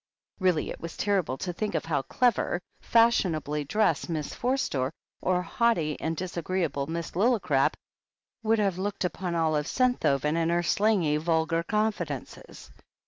Really, it was terrible to think of how clever, fashionably dressed Miss Forster, or haughty and disagreeable Miss Lillicrap, would have looked upon Olive Senthoven and her slangy, vulgar confidences.